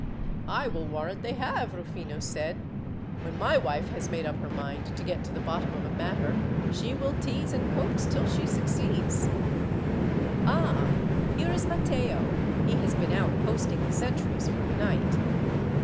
"I will warrant they have!" Rufino said. "When my wife has made up her mind to get to the bottom of a matter, she will tease and coax till she succeeds. "Ah, here is Matteo! he has been out posting the sentries for the night."